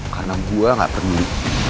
karena gue ga peduli